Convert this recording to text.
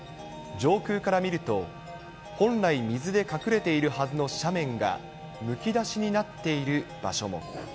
上空から見ると、本来水で隠れているはずの斜面がむき出しになっている場所も。